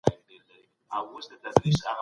زه اجازه لرم چې اوبه وڅښم.